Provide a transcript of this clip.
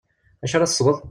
D acu ara tesweḍ?